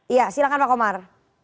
iya silahkan pak komar